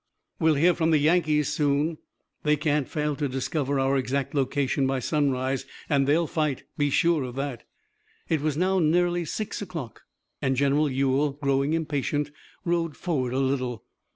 "We'll hear from the Yankees soon. They can't fail to discover our exact location by sunrise, and they'll fight. Be sure of that." It was now nearly six o'clock, and General Ewell, growing impatient, rode forward a little.